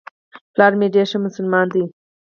پلار مي ډېر ښه مسلمان دی .